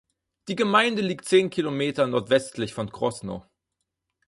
Die Gemeinde liegt zehn Kilometer nordwestlich von Krosno.